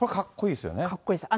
かっこいいです。